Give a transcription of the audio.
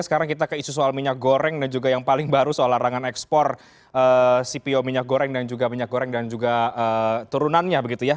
sekarang kita ke isu soal minyak goreng dan juga yang paling baru soal larangan ekspor cpo minyak goreng dan juga minyak goreng dan juga turunannya begitu ya